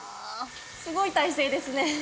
すごい体勢ですね